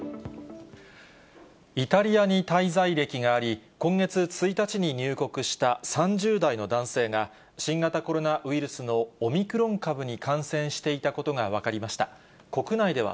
イタリアに滞在歴があり、今月１日に入国した３０代の男性が、新型コロナウイルスのオミクロン株に感染していたことが分かりました。